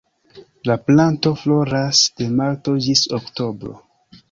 La planto floras de marto ĝis oktobro.